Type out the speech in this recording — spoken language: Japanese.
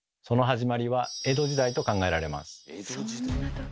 その始まりは江戸時代と考えられます。